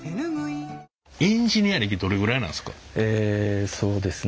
エンジニア歴どれぐらいなんですか？